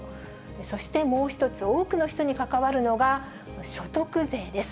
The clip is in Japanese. そしてもう１つ、多くの人に関わるのが、所得税です。